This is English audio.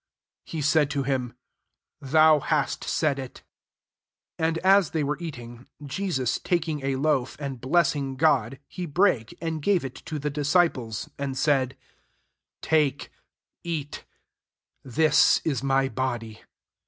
he said to him," Thou bast said UP £6 And as they were eating, lesus taking a loaf» and blessing Godf he brake, and gave it to the disciples, and said, << Take, eat ; this is my body."